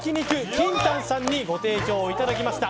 ＫＩＮＴＡＮさんにご提供いただきました